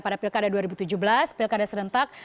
pada pilkada dua ribu tujuh belas pilkada serentak